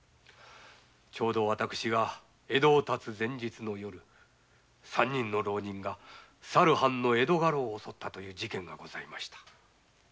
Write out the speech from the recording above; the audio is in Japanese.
ちょうど私が江戸を発つ前日の夜三人の浪人がさる藩の江戸家老を襲ったという事件がございました。